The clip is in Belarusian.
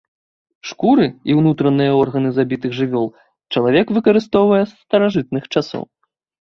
Шкуры і ўнутраныя органы забітых жывёл чалавек выкарыстоўвае з старажытных часоў.